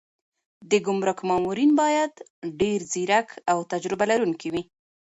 د ګمرک مامورین باید ډېر ځیرک او تجربه لرونکي وي.